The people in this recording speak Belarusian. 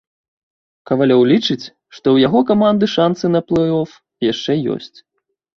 Кавалёў лічыць, што ў яго каманды шанцы на плэй-оф яшчэ ёсць.